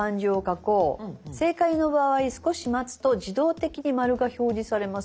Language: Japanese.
「正解の場合少し待つと自動的に○が表示されます」。